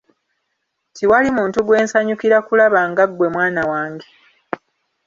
Tiwali muntu gwe nsanyukira kulaba nga ggwe mwana wange.